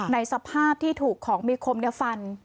ในสภาพที่ถูกของมีคมฟัน